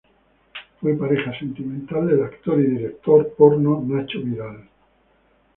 Fue pareja sentimental del actor y director porno Nacho Vidal.